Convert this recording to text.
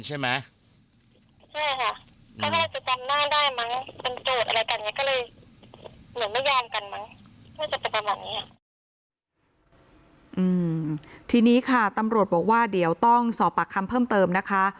ไม่ใช่จะจำแบบนี้อ่ะอืมทีนี้ค่ะตำรวจบอกว่าเดี๋ยวต้องสอบปากคำเพิ่มเติมนะคะ